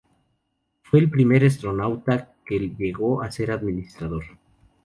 Fue el primer astronauta que llegó a ser Administrador.